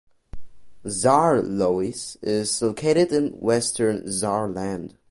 Saarlouis is located in western Saarland.